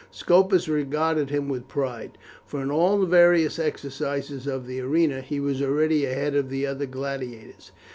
Scopus regarded him with pride, for in all the various exercises of the arena he was already ahead of the other gladiators.